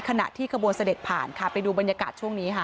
ขณะที่ขบวนเสด็จผ่านค่ะไปดูบรรยากาศช่วงนี้ค่ะ